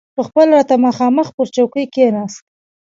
پخپله راته مخامخ پر چوکۍ کښېناست.